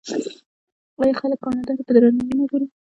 آیا خلک کاناډا ته په درناوي نه ګوري؟